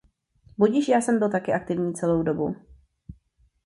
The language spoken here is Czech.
Budiž, já jsem byl aktivní celou dobu.